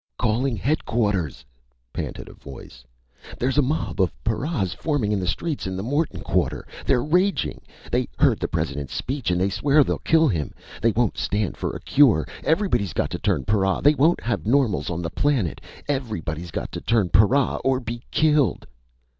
"Calling Headquarters!" panted a voice. "_There's a mob of paras forming in the streets in the Mooreton quarter! They're raging! They heard the President's speech and they swear they'll kill him! They won't stand for a cure! Everybody's got to turn para! They won't have normals on the planet! Everybody's got to turn para or be killed!